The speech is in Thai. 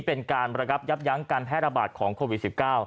เป็นการระงับยับยั้งการแพร่ระบาดของโควิด๑๙